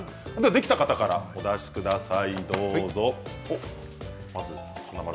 できた方からお出しください。